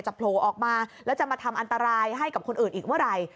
โผล่ออกมาแล้วจะมาทำอันตรายให้กับคนอื่นอีกเมื่อไหร่